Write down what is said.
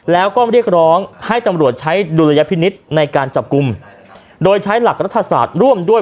แล้วก็เรียกร้องให้ตำรวจใช้ดุลยพินิษฐ์ในการจับกลุ่มโดยใช้หลักรัฐศาสตร์ร่วมด้วย